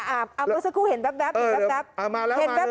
อ้าวเมื่อสักครู่เห็นแบบอยู่แล้วครับ